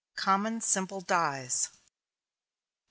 COMMON SIMPLE DYES. 433.